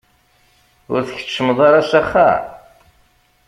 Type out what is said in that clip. Ur tkeččmeḍ ara s axxam?